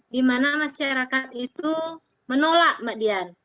dimana masyarakat itu menolak mbak dian